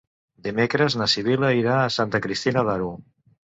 Dimecres na Sibil·la irà a Santa Cristina d'Aro.